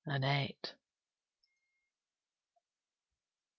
Annette!